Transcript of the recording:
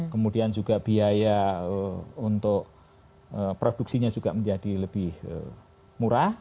kemudian juga biaya untuk produksinya juga menjadi lebih murah